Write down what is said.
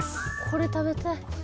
これ食べたい。